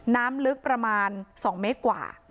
น้ำลึกประมาณ๒เมตรกว่า